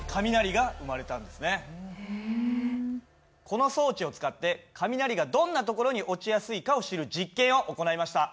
この装置を使って雷がどんな所に落ちやすいかを知る実験を行いました。